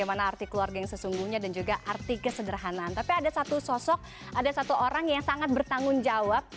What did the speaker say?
mentari hari ini berseri indah